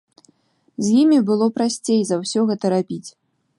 З імі было прасцей за ўсё гэта рабіць.